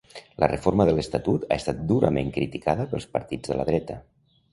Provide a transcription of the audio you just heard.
La reforma de l'estatut ha estat durament criticada pels partits de la dreta